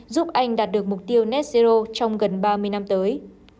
giúp anh đạt được mục tiêu net zero trong gần ba mươi năm tới